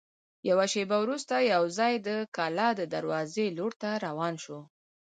یوه شېبه وروسته یوځای د کلا د دروازې لور ته روان شوو.